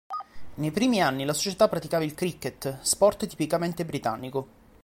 Nei primi anni la società praticava il cricket, sport tipicamente britannico.